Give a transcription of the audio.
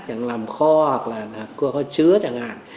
chẳng làm kho hoặc là có chứa chẳng hạn